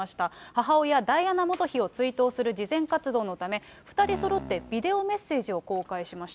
母親、ダイアナ元妃を追悼する慈善活動のため、２人そろってビデオメッセージを公開しました。